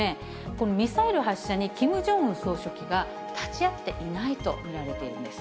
このミサイル発射にキム・ジョンウン総書記が立ち会っていないと見られているんです。